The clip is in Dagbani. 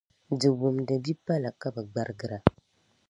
di wumdi bipala ka bɛ gbarigira.